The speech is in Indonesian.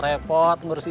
jadi kita bisa ngurusin